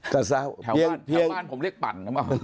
แถวบ้านผมเรียกปั่น